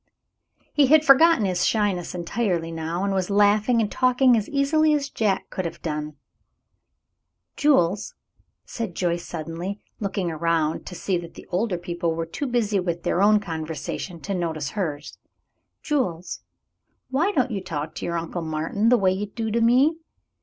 He had forgotten his shyness entirely now, and was laughing and talking as easily as Jack could have done. "Jules," said Joyce, suddenly, looking around to see that the older people were too busy with their own conversation to notice hers. "Jules, why don't you talk to your Uncle Martin the way you do to me?